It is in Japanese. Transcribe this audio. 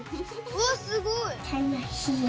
わっすごい！